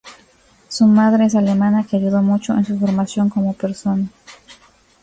Su madre es alemana, que ayudó mucho en su formación como persona.